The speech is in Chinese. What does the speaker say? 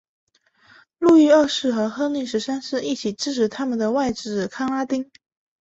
路易二世与亨利十三世一起支持他们的外甥康拉丁。